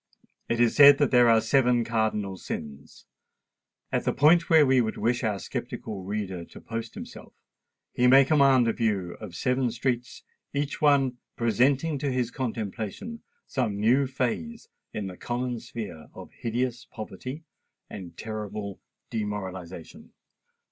It is said that there are Seven Cardinal Sins: at the point where we would wish our sceptical reader to post himself, he may command a view of seven streets, each one presenting to his contemplation some new phase in the common sphere of hideous poverty and terrible demoralisation.